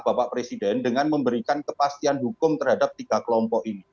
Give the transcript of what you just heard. bapak presiden dengan memberikan kepastian hukum terhadap tiga kelompok ini